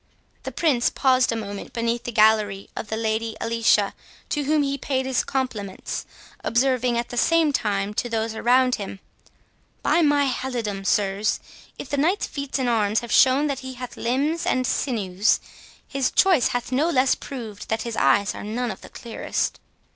The Prince paused a moment beneath the gallery of the Lady Alicia, to whom he paid his compliments, observing, at the same time, to those around him—"By my halidome, sirs! if the Knight's feats in arms have shown that he hath limbs and sinews, his choice hath no less proved that his eyes are none of the clearest."